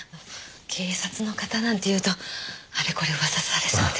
警察の方なんて言うとあれこれ噂されそうで。